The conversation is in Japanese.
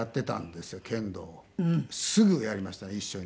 すぐやりましたね一緒に。